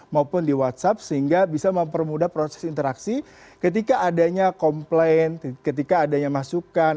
maupun di whatsapp sehingga bisa mempermudah proses interaksi ketika adanya komplain ketika adanya masukan